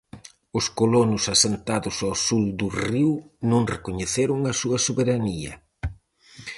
Os colonos asentados ao sur do río non recoñeceron a súa soberanía.